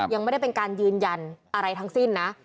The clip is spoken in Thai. ยังไม่ได้เป็นการยืนยันอะไรทั้งสิ้นนะ